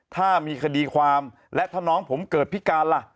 ถ้ามีคดีความและถ้าน้องผมเกิดพิการล่ะ